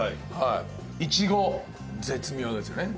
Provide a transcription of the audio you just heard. いちご絶妙ですよね。